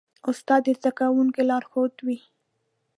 استاد د زدهکوونکو لارښود وي.